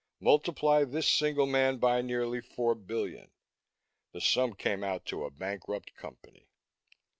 Multiply this single man by nearly four billion. The sum came out to a bankrupt Company.